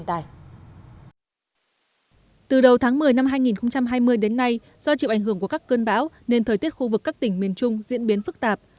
năm hai nghìn hai mươi đến nay do chịu ảnh hưởng của các cơn bão nên thời tiết khu vực các tỉnh miền trung diễn biến phức tạp